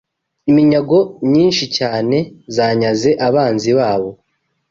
iminyago myinshi cyane zanyaze abanzi babo,